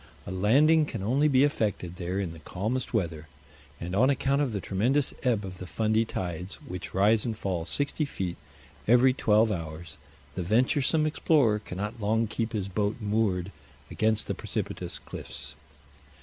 A landing can only be effected there in the calmest weather; and on account of the tremendous ebb of the Fundy tides, which rise and fall sixty feet every twelve hours, the venturesome explorer cannot long keep his boat moored against the precipitous cliffs.